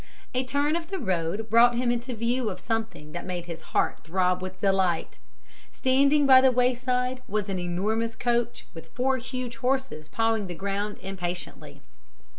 A turn of the road brought him into view of something that made his heart throb with delight. Standing by the wayside was an enormous coach with four huge horses pawing the ground impatiently.